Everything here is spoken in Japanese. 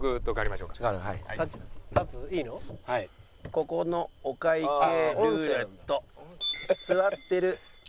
ここのお会計ルーレット。座ってる。